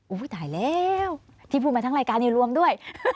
ตายแล้วที่พูดมาทั้งรายการนี้รวมด้วย